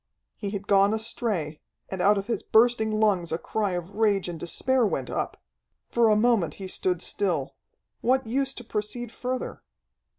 He had gone astray, and out of his bursting lungs a cry of rage and despair went up. For a moment he stood still. What use to proceed further?